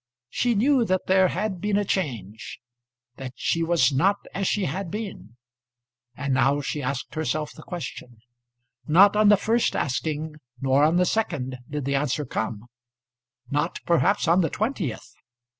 She knew that there had been a change; that she was not as she had been; and now she asked herself the question. Not on the first asking nor on the second did the answer come; not perhaps on the twentieth.